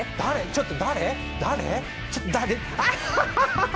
ちょっと。